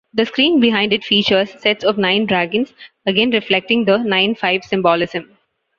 The screen behind it features sets of nine dragons, again reflecting the "nine-five" symbolism.